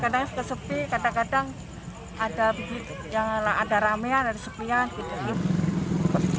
kadang kadang kesepi kadang kadang ada ramean ada kesepian gitu